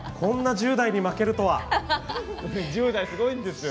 １０代すごいんですよ。